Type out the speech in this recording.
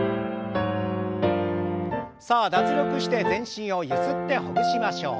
さあ脱力して全身をゆすってほぐしましょう。